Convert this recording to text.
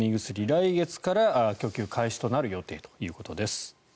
来月から供給開始となる予定だということです。